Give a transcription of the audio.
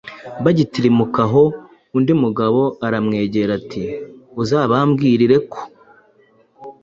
Bagitirimuka aho, undi mugabo aramwegera ati: “Uzababwire ko